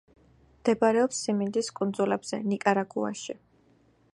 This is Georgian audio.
მდებარეობს სიმინდის კუნძულებზე, ნიკარაგუაში.